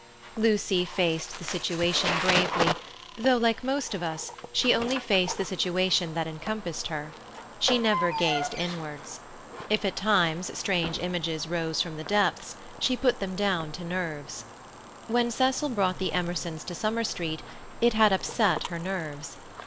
Lucy faced the situation bravely, though, like most of us, she only faced the situation that encompassed her. She never gazed inwards. If at times strange images rose from the depths, she put them down to nerves. When Cecil brought the Emersons to Summer Street, it had upset her nerves.